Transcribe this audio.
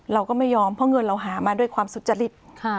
เราก็ไม่ยอมเพราะเงินเราหามาด้วยความสุจริต